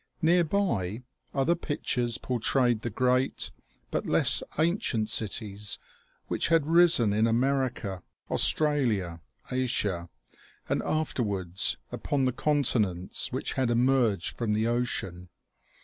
Nearby, other pictures portrayed the great but less ancient cities which had risen in America, Australia, Asia, and afterwards upon the con tinents which had emerged from the ocean.